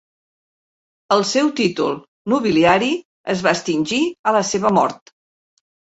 El seu títol nobiliari es va extingir a la seva mort.